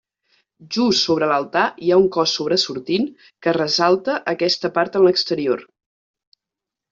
Just sobre l'altar hi ha un cos sobresortint que ressalta aquesta part en l'exterior.